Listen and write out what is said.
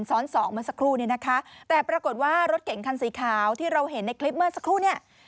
สองเมื่อสักครู่เนี่ยนะคะแต่ปรากฏว่ารถเก่งคันสีขาวที่เราเห็นในคลิปเมื่อสักครู่เนี่ย